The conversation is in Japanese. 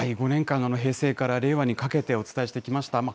５年間、平成から令和にかけてお伝えしてきました。